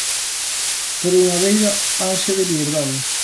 Por unha beira, ansia de liberdade.